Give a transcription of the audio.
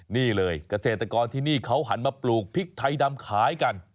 นี่เลยเกษตรกรที่นี่เขาหันมาปลูกพริกไทยดำขายกัน